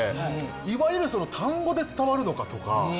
いわゆる単語で伝わるのか？とか。